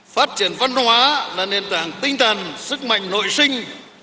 phát triển văn hóa là nền tảng tinh thần sức mạnh nội sinh